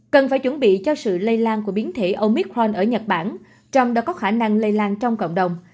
cần phải chuẩn bị cho sự lây lan của biến thể omic fun ở nhật bản trong đó có khả năng lây lan trong cộng đồng